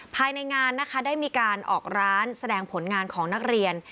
ภายในงานนะคะได้มีการออกร้านแสดงผลงานของนักเรียน